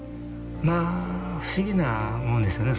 まあ不思議なもんですね